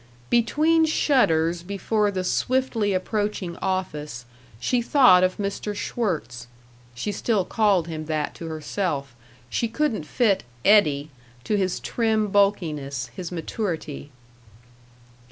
Between shudders before the swiftly approaching office she thought of Mr. Schwirtz. (She still called him that to herself. She couldn't fit "Eddie" to his trim bulkiness, his maturity.)